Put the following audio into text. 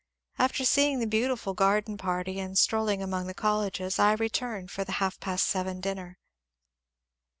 After seeing the beautiful garden party and strolling among the colleges, I returned for the half past seven dinner.